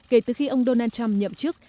kể từ khi ông donald trump nhậm chức